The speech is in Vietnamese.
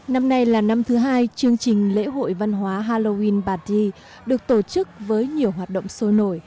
năm nay là năm thứ hai chương trình lễ hội văn hóa halloween bà ti được tổ chức với nhiều hoạt động sôi nổi